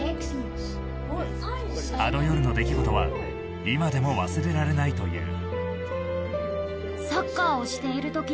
あの夜の出来事は今でも忘れられないという。